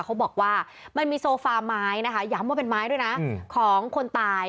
เขาบอกว่ามันมีโซฟาไม้นะคะย้ำว่าเป็นไม้ด้วยนะของคนตาย